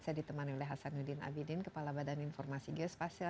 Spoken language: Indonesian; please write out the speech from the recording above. saya ditemani oleh hasanuddin abidin kepala badan informasi geospasial